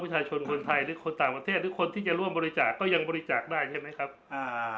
ประชาชนคนไทยหรือคนต่างประเทศหรือคนที่จะร่วมบริจาคก็ยังบริจาคได้ใช่ไหมครับอ่า